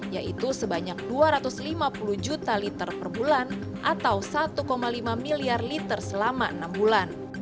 yaitu sebanyak dua ratus lima puluh juta liter per bulan atau satu lima miliar liter selama enam bulan